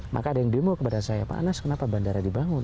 maka ada yang demo kepada saya pak anas kenapa bandara dibangun